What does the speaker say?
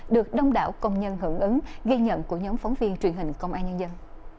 được đông đảo công nhân hưởng ứng ghi nhận của nhóm phóng viên truyền hình công an nhân dân